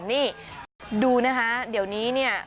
นี่ดูนะคะเดี๋ยวนี้เนี่ย